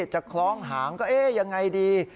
คล้องหางก็เอ๊ะยังไงดี